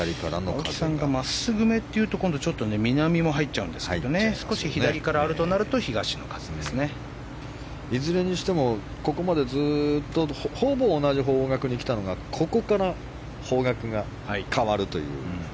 青木さんがまっすぐめっていうと今度はちょっと南も入っちゃうんですけど少し左からあるとなるとここまでずっと同じ方角に来たのがここから方角が変わるという。